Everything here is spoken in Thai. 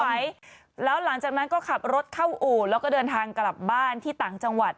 ไว้แล้วหลังจากนั้นก็ขับรถเข้าอู่แล้วก็เดินทางกลับบ้านที่ต่างจังหวัด